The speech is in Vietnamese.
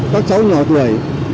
các cháu nhỏ tuổi